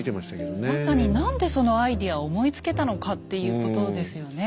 まさに何でそのアイデアを思いつけたのかっていうことですよね。